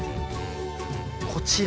こちら。